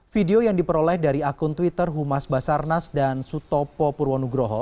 video yang diperoleh dari akun twitter humas basarnas dan sutopo purwonugroho